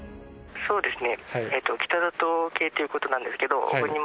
そうですね。